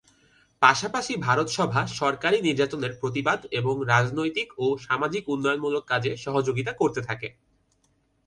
পাশাপাশি ভারত সভা সরকারি নির্যাতনের প্রতিবাদ এবং রাজনৈতিক ও সামাজিক উন্নয়নমূলক কাজে সহযোগিতা করতে থাকে।